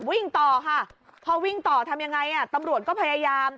วิ่งต่อค่ะพอวิ่งต่อทำยังไงอ่ะตำรวจก็พยายาม